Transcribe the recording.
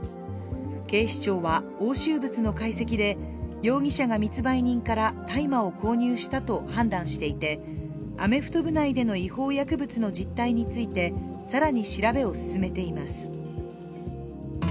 警視庁は押収物の解析で容疑者が密売人から大麻を購入したと判断していてアメフト部内での違法薬物の実態について更に調べを進めています。